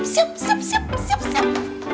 siap siap siap